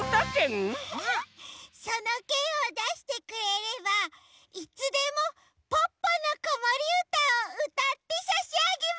そのけんをだしてくれればいつでも「ポッポのこもりうた」をうたってさしあげます。